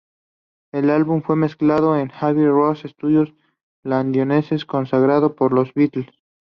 El álbum fue mezclado en Abbey Road, estudio londinense consagrado por los Beatles.